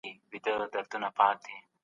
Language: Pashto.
چي ملا شکرانه واخلي